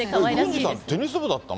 郡司さんテニス部だったの？